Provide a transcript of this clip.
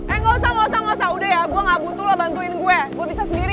eh gak usah gak usah gak usah udah ya gue gak butuh lo bantuin gue gue bisa sendiri